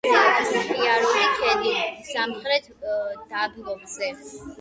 მდებარეობს ხარულის ქედის სამხრეთ დაბოლოებაზე.